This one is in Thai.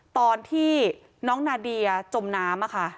ตอนที่น้องนาเดียจมน้ำค่ะ